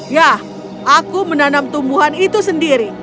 ya aku menanam tumbuhan itu sendiri